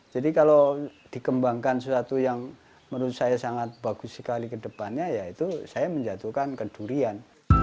jadi kalau dikembangkan sesuatu yang menurut saya sangat bagus sekali kedepannya yaitu saya menjatuhkan ke durian